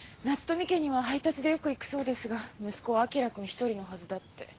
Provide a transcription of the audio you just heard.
夏富家には配達でよく行くそうですが息子は輝くん１人のはずだって。